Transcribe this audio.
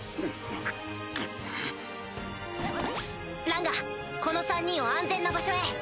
ランガこの３人を安全な場所へ。